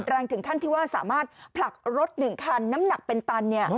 แรงถึงท่านที่ว่าสามารถผลักรถหนึ่งคันน้ำหนักเป็นตัน